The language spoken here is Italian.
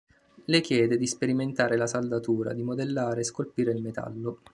Le chiede di sperimentare la saldatura, di modellare e scolpire il metallo.